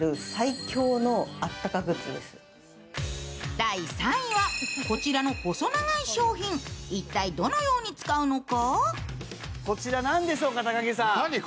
第３位、こちらの細長い商品、一体、どのように使うのか？